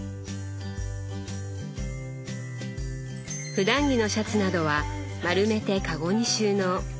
ふだん着のシャツなどは丸めてカゴに収納。